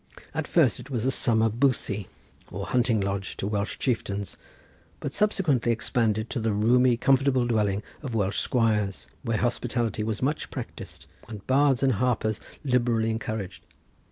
At first it was a summer boothie or hunting lodge to Welsh chieftains, but subsequently expanded into the roomy, comfortable dwelling of Welsh squires, where hospitality was much practised and bards and harpers liberally encouraged.